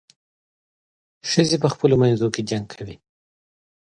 ښځې په خپلو منځو کې جنګ کوي.